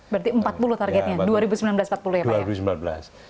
berarti empat puluh targetnya dua ribu sembilan belas empat puluh ya pak ya